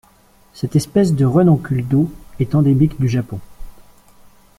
Cette espèce de renoncule d'eau est endémique du Japon.